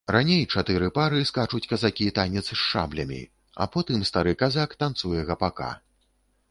Раней чатыры пары скачуць казацкі танец з шаблямі, а потым стары казак танцуе гапака.